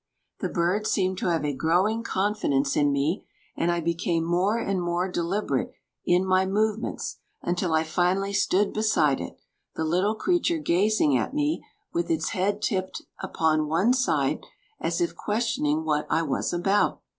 The bird seemed to have a growing confidence in me, and I became more and more deliberate in my movements until I finally stood beside it, the little creature gazing at me with its head tipped upon one side as if questioning what I was about.